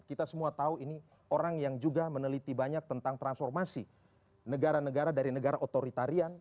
kita semua tahu ini orang yang juga meneliti banyak tentang transformasi negara negara dari negara otoritarian